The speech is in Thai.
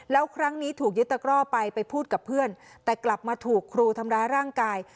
แล้วครั้งนี้ถูกยึดตะกร่อไปไปพูดกับเพื่อนแต่กลับมาถูกครูทำร้ายร่างกาย